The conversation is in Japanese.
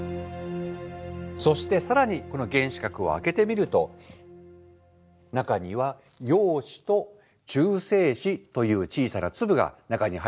そして更にこの原子核を開けてみると中には陽子と中性子という小さな粒が中に入っているわけです。